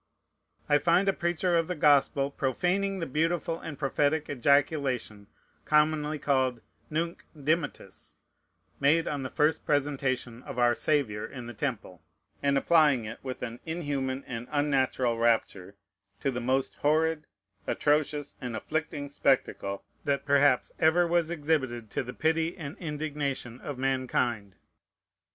I find a preacher of the Gospel profaning the beautiful and prophetic ejaculation, commonly called "Nunc dimittis," made on the first presentation of our Saviour in the temple, and applying it, with an inhuman and unnatural rapture, to the most horrid, atrocious, and afflicting spectacle that perhaps ever was exhibited to the pity and indignation of mankind.